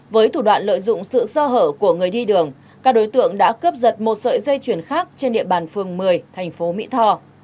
với thủ đoạn lợi dụng sự sơ hở của người đi đường các đối tượng đã cướp giật một sợi dây chuyền khác trên địa bàn phường một mươi thành phố mỹ tho